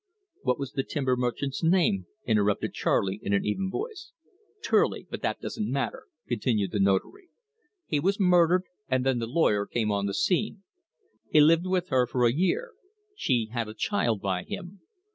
"What was the timber merchant's name?" interrupted Charley in an even voice. "Turley but that doesn't matter!" continued the Notary. "He was murdered, and then the lawyer came on the scene. He lived with her for a year. She had a child by him.